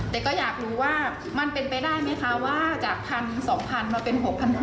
แต่ก็อยากรู้ว่ามันเป็นไปได้ไหมคะว่าจาก๑๒๐๐๐มาเป็น๖๖๐๐